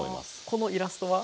このイラストは？